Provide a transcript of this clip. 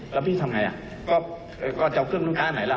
แล้วพี่ทำไงก็จะเอาเครื่องนู้นค่าไหนล่ะ